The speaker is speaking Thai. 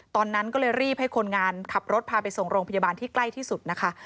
ตอนนั้นก็เลยรีบให้คนงานขับรถพาไปส่งโรงพยาบาลที่ใกล้ที่สุดนะคะ